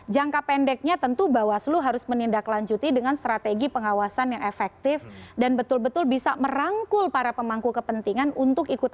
jangka pendeknya tentu bawaslu harus menindaklanjuti dengan strategi pengawasan yang efektif dan betul betul bisa merangkul para pemangku kepentingan untuk ikut